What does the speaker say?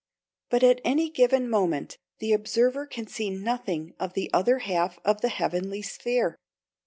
But at any given moment the observer can see nothing of the other half of the heavenly sphere.